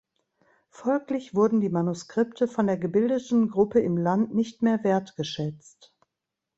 Folglich wurden die Manuskripte von der gebildeten Gruppe im Land nicht mehr wertgeschätzt.